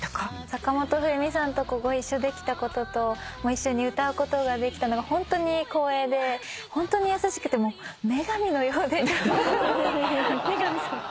坂本冬美さんとご一緒できたことと一緒に歌うことができたのがホントに光栄でホントに優しくて女神のようでホントに。